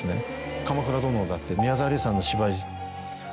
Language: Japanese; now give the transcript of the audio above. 『鎌倉殿』だって宮沢りえさんの芝居。